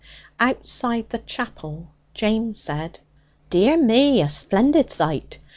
Outside the chapel James said: 'Dear me! A splendid sight!